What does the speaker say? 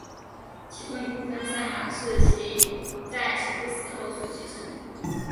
其中一部分赛马是其在其父死后所继承。